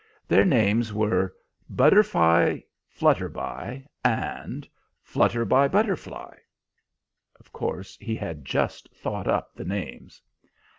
Their names were Butterflyflutterby and Flutterbybutterfly." Of course he had just thought up the names.